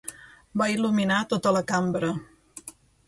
Va il·luminar tota la cambra.